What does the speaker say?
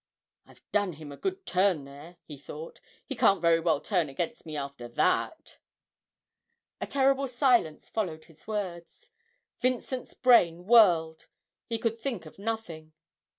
'I've done him a good turn there,' he thought; 'he can't very well turn against me after that!' A terrible silence followed his words; Vincent's brain whirled, he could think of nothing.